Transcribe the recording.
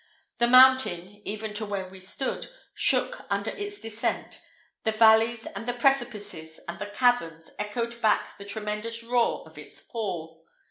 The mountain, even to where we stood, shook under its descent; the valleys, and the precipices, and the caverns, echoed back the tremendous roar of its fall.